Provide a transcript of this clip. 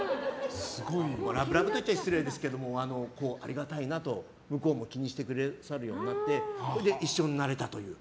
ラブラブといっちゃ失礼ですけどありがたいなと、向こうも気にしてくれるようになって一緒になれたという。